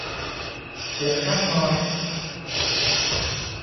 เสียงข้างน้อย